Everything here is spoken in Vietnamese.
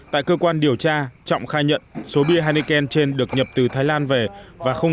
tại cơ quan điều tra trọng khai nhận số bia heineken trên được nhập từ thái lan về và không